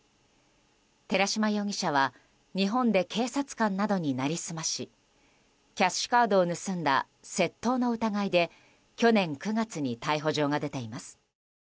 寺島容疑者は日本で警察官などに成り済ましキャッシュカードを盗んだ窃盗の疑いで去年９月に逮捕状が出ています。